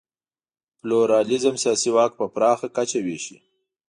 پلورالېزم سیاسي واک په پراخه کچه وېشي.